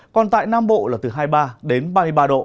còn tại nam bộ là từ hai mươi ba đến ba mươi ba độ